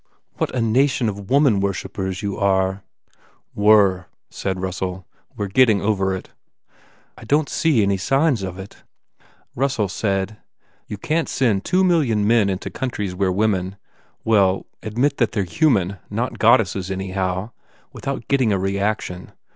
"What a nation of woman worshippers you are!" "Were," said Russell, "We re getting over it." "I don t see any signs of it." Russell said, "You can t send two million men into countries where women well, admit that they re human, not goddesses, anyhow, without getting a reaction.